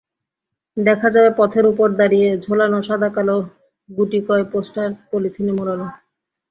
দেখা যাবে পথের ওপর দড়িতে ঝোলানো সাদাকালো গুটিকয় পোস্টার পলিথিনে মোড়ানো।